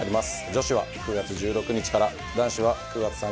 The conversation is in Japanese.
女子は９月１６日から男子は９月３０日からです。